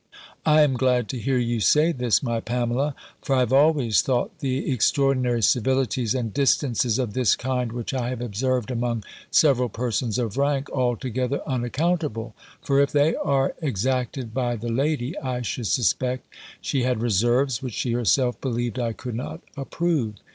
"I am glad to hear you say this, my Pamela; for I have always thought the extraordinary civilities and distances of this kind which I have observed among several persons of rank, altogether unaccountable. For if they are exacted by the lady, I should suspect she had reserves, which she herself believed I could not approve.